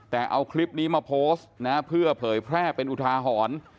แต่เอาคลิปนี้มาโพสต์นะเพื่อเผยแพร่เป็นอุทาหรณ์